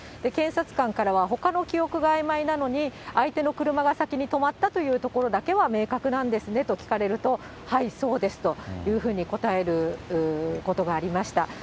検察官からは、ほかの記憶があいまいなのに、相手の車が先に止まったというところだけは明確なんですねと聞かれると、はい、そうですというふうに答えることがありました。